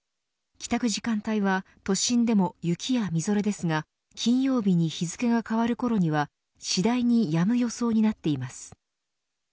帰宅時間帯は都心でも雪やみぞれですが金曜日に日付が変わるころには次第に止む予想になっています。